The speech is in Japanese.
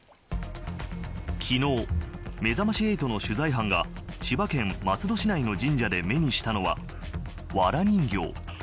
昨日、めざまし８の取材班が千葉県松戸市内の神社で目にしたのはわら人形。